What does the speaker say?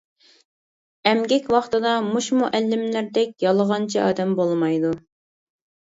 ئەمگەك ۋاقتىدا مۇشۇ مۇئەللىملەردەك يالغانچى ئادەم بولمايدۇ.